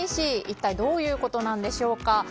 一体どういうことなんでしょうか。